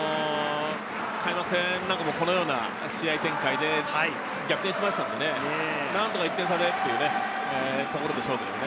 開幕戦もこのような試合展開で逆転しましたので、何とか１点差でというところでしょう。